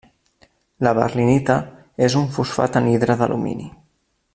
La berlinita és un fosfat anhidre d'alumini.